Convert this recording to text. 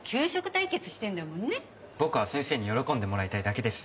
僕は先生に喜んでもらいたいだけです。